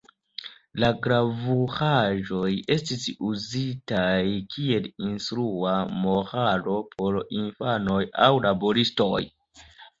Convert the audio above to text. La gravuraĵoj estis uzitaj kiel instrua moralo por infanoj aŭ laboristoj.